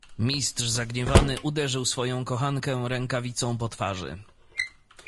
"Mistrz zagniewany uderzył swoją kochankę rękawicą po twarzy."